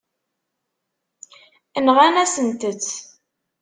Nɣan-asent-tt.